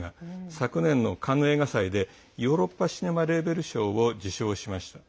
昨年のカンヌ映画祭でヨーロッパ・シネマ・レーベル賞を受賞しました。